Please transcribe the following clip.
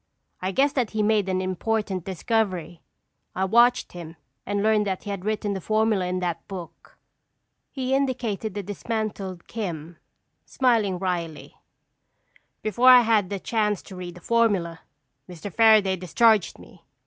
I guessed that he had made an important discovery. I watched him and learned that he had written the formula in that book." He indicated the dismantled "Kim," smiling wryly. "Before I had a chance to read the formula, Mr. Fairaday discharged me.